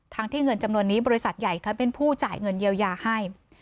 ที่เงินจำนวนนี้บริษัทใหญ่เขาเป็นผู้จ่ายเงินเยียวยาให้